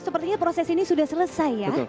sepertinya proses ini sudah selesai ya